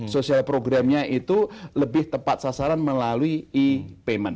sosial programnya itu lebih tepat sasaran melalui e payment